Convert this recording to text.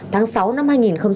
tháng sáu năm hai nghìn hai mươi